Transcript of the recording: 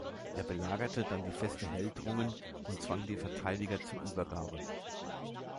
Er belagerte dann die Feste Heldrungen und zwang die Verteidiger zur Übergabe.